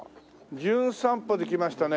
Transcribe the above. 『じゅん散歩』で来ましたね